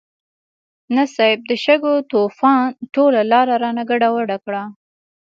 نه صيب، د شګو طوفان ټوله لاره رانه ګډوډه کړه.